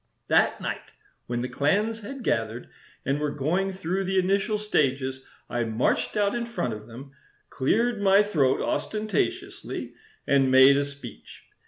That night, when the clans had gathered and were going through the initial stages I marched out in front of them, cleared my throat ostentatiously, and made a speech.